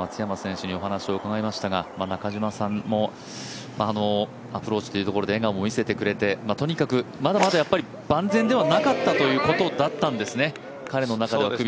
松山選手にお話を伺いましたが、中嶋さんのアプローチというところで笑顔も見せてくれてとにかくまだまだ万全ではなかったということだったんですね、彼の中では首は。